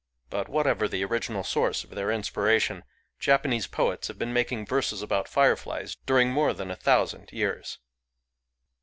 But, whatever the original source of their inspiration, Japanese poets have been making verses about fireflies during more than a thousand years.